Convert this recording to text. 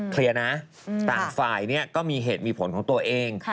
เคลียร์นะต่างฝ่ายก็มีเหตุมีผลของตัวเอง